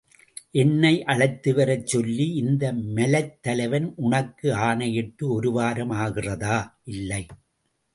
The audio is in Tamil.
என்னை அழைத்துவரச் சொல்லி, இந்த மலைத்தலைவன் உனக்கு ஆணையிட்டு ஒருவாரம் ஆகிறதா? இல்லை.